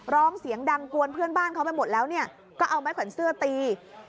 ร้องเสียงดังกวนเพื่อนบ้านเขาไปหมดแล้วเนี่ยก็เอาไม้ขวัญเสื้อตี